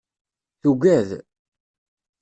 Tugad.